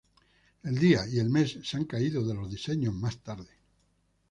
El día y el mes se han caído de los diseños más tarde.